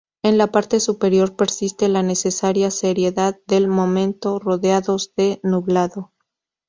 En la parte superior persiste la necesaria seriedad del momento, rodeados de nublado.